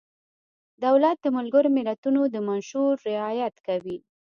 دولت د ملګرو ملتونو د منشورو رعایت کوي.